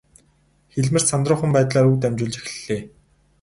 Хэлмэрч сандруухан байдлаар үг дамжуулж эхэллээ.